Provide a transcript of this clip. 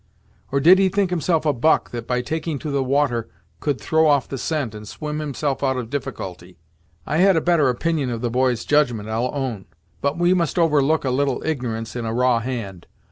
or did he think himself a buck, that by taking to the water could throw off the scent and swim himself out of difficulty? I had a better opinion of the boy's judgment, I'll own; but we must overlook a little ignorance in a raw hand.